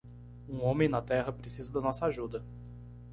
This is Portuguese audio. Um homem na terra precisa da nossa ajuda.